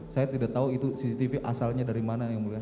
saya tidak tahu itu cttp asalnya dari mana ya muridnya